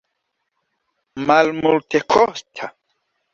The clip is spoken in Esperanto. malmultekosta